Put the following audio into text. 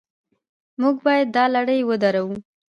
موږ باید دا لړۍ ودروو.